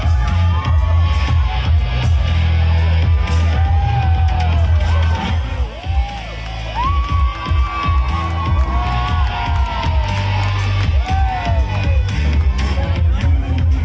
สวัสดีทุกคน